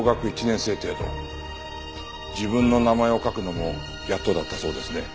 自分の名前を書くのもやっとだったそうですね。